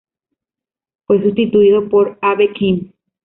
Fue sustituido por Abe Kim.